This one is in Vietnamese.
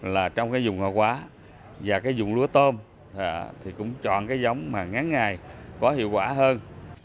là trong cái vùng hòa quá và cái vùng lúa tôm thì cũng chọn cái giống mà ngắn ngày có hiệu quả hơn